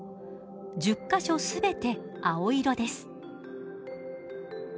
１０か所全て青色です。